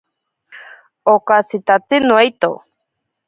Okatyitatsi noito.